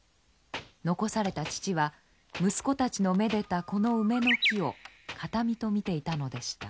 残された父は息子たちのめでたこの梅の木を形見と見ていたのでした。